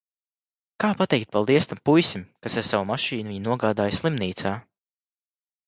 Kā pateikt paldies tam puisim, kas ar savu mašīnu viņu nogādāja slimnīcā...